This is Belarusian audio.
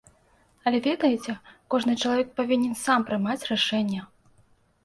Але ведаеце, кожны чалавек павінен сам прымаць рашэнне.